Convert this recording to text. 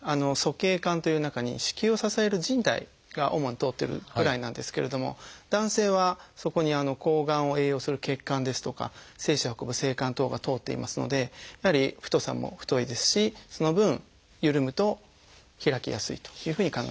鼠径管という中に子宮を支えるじん帯が主に通ってるぐらいなんですけれども男性はそこに睾丸を栄養する血管ですとか精子を運ぶ精管等が通っていますのでやはり太さも太いですしその分ゆるむと開きやすいというふうに考えられてます。